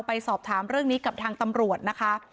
ไปสอบถามเรื่องนี้กับทางตำรวจนะคะ